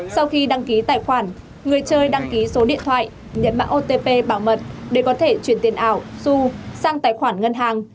sau khi đăng ký tài khoản người chơi đăng ký số điện thoại nhận mạng otp bảo mật để có thể chuyển tiền ảo su sang tài khoản ngân hàng